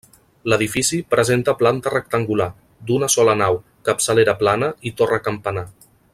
L'edifici presenta planta rectangular, d'una sola nau, capçalera plana i torre campanar.